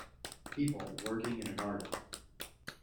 People working in a garden